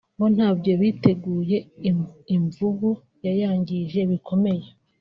bo ntabyo biteguye Imvubu yayangije bikomeye